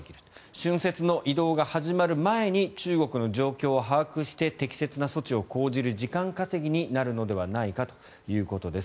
春節の移動が始まる前に中国の状況を把握して適切な措置を講じる時間稼ぎになるのではないかということです。